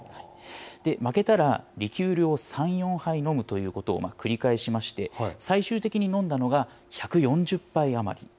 負けたらリキュールを３、４杯飲むということを繰り返しまして、最終的に飲んだのが１４０杯余り。